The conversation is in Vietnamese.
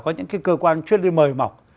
có những cái cơ quan chuyên lưu mời mọc